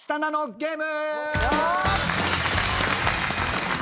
ゲーム！